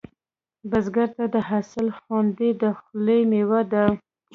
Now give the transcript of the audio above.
بزګر ته د حاصل خوند د خولې میوه ده